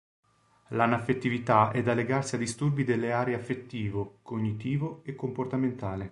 L'anaffettività è da legarsi a disturbi delle aree affettivo, cognitivo e comportamentale.